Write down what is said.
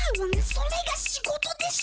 それが仕事でしょ